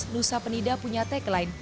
nusa penida punya tagline